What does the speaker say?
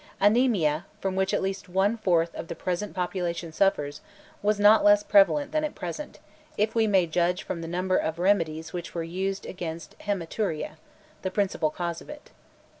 Anaemia, from which at least one fourth of the present population suffers, was not less prevalent than at present, if we may judge from the number of remedies which were used against hematuria, the principal cause of it.